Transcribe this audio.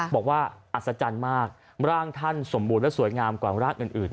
บอกว่าอัศจรรย์มากร่างท่านสมบูรณและสวยงามกว่าร่างอื่น